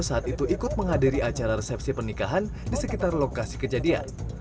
saat itu ikut menghadiri acara resepsi pernikahan di sekitar lokasi kejadian